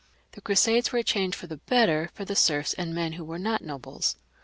The Crusades were a change for the better for the serfs and men who were not nobles.